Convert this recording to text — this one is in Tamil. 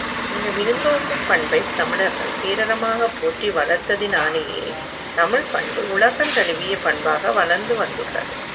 இந்த விருந்தோம்பும் பண்பைத் தமிழர்கள் பேரறமாகப் போற்றி வளர்த்ததினாலேயே தமிழ்ப் பண்பு உலகந் தழீஇய பண்பாக வளர்ந்து வந்துள்ளது.